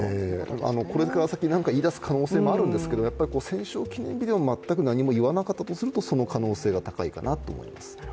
これから先、何か言い出す可能性もあるんですけど、戦勝記念日でも何も言わなかったとするとその可能性も高いかなと。